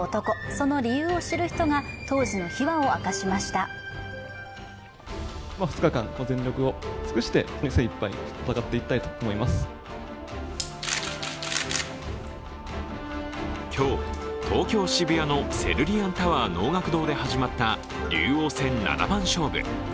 その理由を知る人が当時の秘話を明かしました今日、東京・渋谷のセルリアンタワー能楽堂で始まった竜王戦七番勝負。